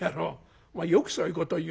お前よくそういうことを言うね。